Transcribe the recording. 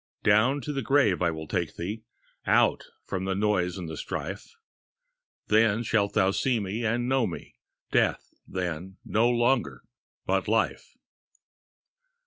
Down to the grave will I take thee, Out from the noise of the strife; Then shalt thou see me and know me Death, then, no longer, but life.